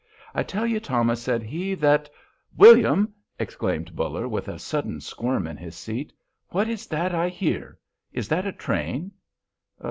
"I tell you, Thomas," said he, "that——" "William!" exclaimed Buller, with a sudden squirm in his seat, "what is that I hear? Is that a train?"